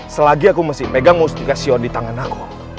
selagi aku masih pegang mustika sion di tangan aku